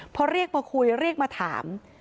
พอเรียกมาคุยเรียกมาถาม